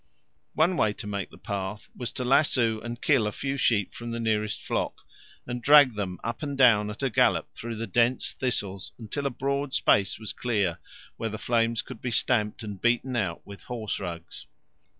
One way to make the path was to lasso and kill a few sheep from the nearest flock and drag them up and down at a gallop through the dense thistles until a broad space was clear where the flames could be stamped and beaten out with horse rugs.